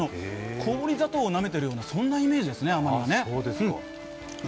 氷砂糖を食べているようなイメージですね。